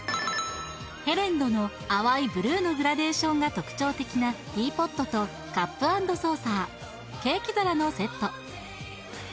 ヘレンドの淡いブルーのグラデーションが特徴的なティーポットとカップ＆ソーサーケーキ皿のセット。